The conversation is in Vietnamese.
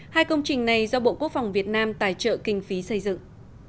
hai công trình này do bộ quốc phòng việt nam tài trợ kinh phí xây dựng